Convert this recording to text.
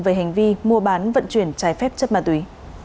về hành vi mua bán vận chuyển trái phép chất ma túy